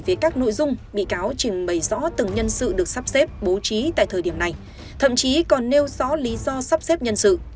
phải rõ từng nhân sự được sắp xếp bố trí tại thời điểm này thậm chí còn nêu rõ lý do sắp xếp nhân sự